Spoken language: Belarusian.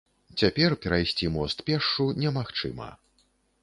Цяпер перайсці мост пешшу немагчыма.